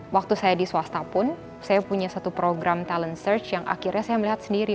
waktu saya di swasta pun saya punya satu program talent search yang akhirnya saya melihat sendiri